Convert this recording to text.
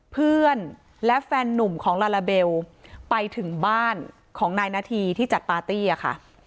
เพื่อนและแฟนนุ่มของลาลาเบลไปถึงบ้านของนายนาธีที่จัดปาร์ตี้อะค่ะ